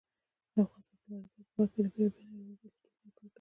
افغانستان د لمریز ځواک په برخه کې له بېلابېلو نړیوالو بنسټونو سره کار کوي.